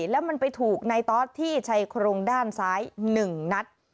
แล้วมันไปถูกในตอสที่ชัยโครงด้านซ้าย๑นัด